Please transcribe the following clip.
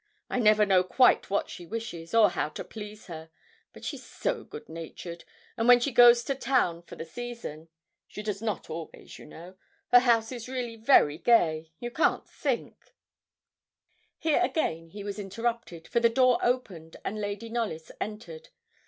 'I never know quite what she wishes, or how to please her; but she's so good natured; and when she goes to town for the season she does not always, you know her house is really very gay you can't think ' Here again he was interrupted, for the door opened, and Lady Knollys entered.